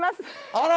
あら！